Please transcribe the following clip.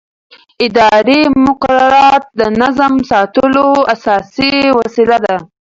اداري مقررات د نظم ساتلو اساسي وسیله ده.